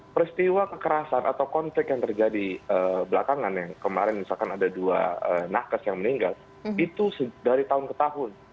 peristiwa kekerasan atau konflik yang terjadi belakangan yang kemarin misalkan ada dua nakes yang meninggal itu dari tahun ke tahun